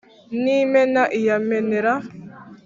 ni imena iyamenera